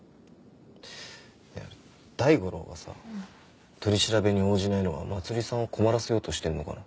大五郎がさ取り調べに応じないのはまつりさんを困らせようとしてんのかな？